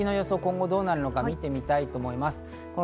その雪の予想、今後、どうなるか見てみたいと思います。